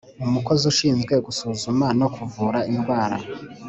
Umukozi ushinzwe gusuzuma no kuvura indwara